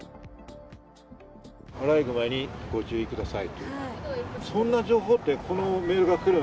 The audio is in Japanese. アライグマにご注意ください。